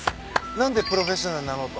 何でプロフェッショナルになろうと？